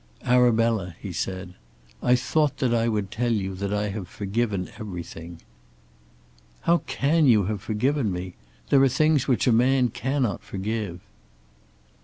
"Arabella," he said, "I thought that I would tell you that I have forgiven everything." "How can you have forgiven me? There are things which a man cannot forgive."